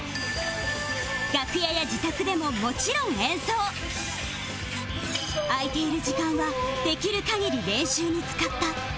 楽屋や自宅でももちろん演奏空いている時間はできる限り練習に使った